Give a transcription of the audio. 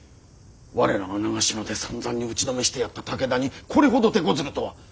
我らが長篠でさんざんに打ちのめしてやった武田にこれほどてこずるとは！